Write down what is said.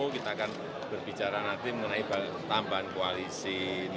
pak seberapa mempunyai kemampuan